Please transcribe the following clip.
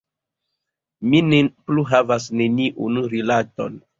Mi ne plu havas neniun rilaton.